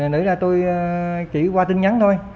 nữ ra tôi chỉ qua tin nhắn thôi